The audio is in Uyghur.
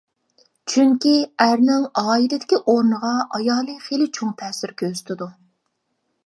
چۈنكى ئەرنىڭ ئائىلىدىكى ئورنىغا ئايالى خىلى چوڭ تەسىر كۆرسىتىدۇ.